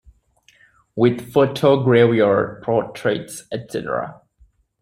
With photogravure portraits, etc.